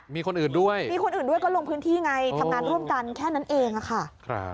มีคนอื่นด้วยก็ลงพื้นที่ไงทำงานร่วมกันแค่นั้นเองค่ะ